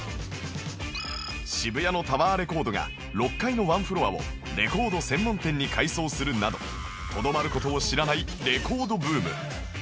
渋谷のタワーレコードが６階のワンフロアをレコード専門店に改装するなどとどまる事を知らないレコードブーム